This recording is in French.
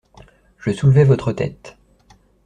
Je soulevais votre tête.